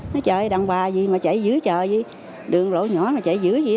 nói chờ đằng bà gì mà chạy dữ chờ gì đường lộ nhỏ mà chạy dữ gì